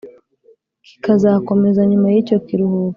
Kikazakomeza nyuma y icyo kiruhuko